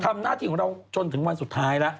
ทำหน้าที่ของเราจนถึงวันสุดท้ายแล้ว